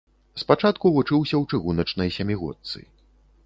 Спачатку вучыўся ў чыгуначнай сямігодцы.